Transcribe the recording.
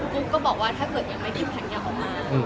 กูก็บอกว่าถ้าเกิดยังไม่คิดถังอย่าออกมา